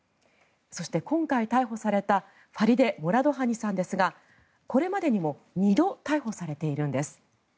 そして今回、逮捕されたファリデ・モラドハニさんですがこれまでにも２度逮捕されているんです。